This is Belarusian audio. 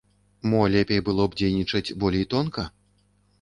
Мо лепей было б дзейнічаць болей тонка?